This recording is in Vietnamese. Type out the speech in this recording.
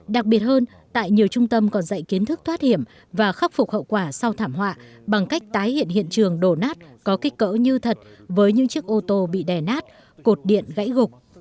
đặc biệt hơn tại nhiều trung tâm còn dạy kiến thức thoát hiểm và khắc phục hậu quả sau thảm họa bằng cách tái hiện hiện trường đổ nát có kích cỡ như thật với những chiếc ô tô bị đè nát cột điện gãy gục